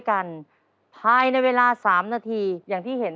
กันภายในเวลาสามนาทีอย่างที่เห็น